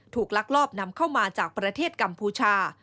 ลักลอบนำเข้ามาจากประเทศกัมพูชา